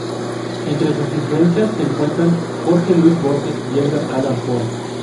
Entre sus influencias se encuentran Jorge Luis Borges y Edgar Allan Poe.